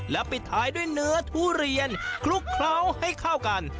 และปิดท้ายด้วยเนื้อทุเรียนคลุกเคล้าให้เข้ากัน